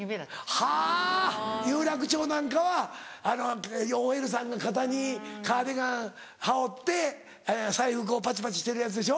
はぁ有楽町なんかはＯＬさんが肩にカーディガン羽織って財布こうパチパチしてるやつでしょ？